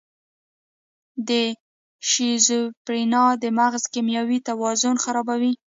د شیزوفرینیا د مغز کیمیاوي توازن خرابوي.